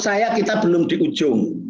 saya kita belum di ujung